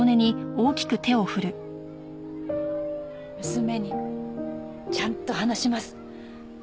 すごい！娘にちゃんと話します。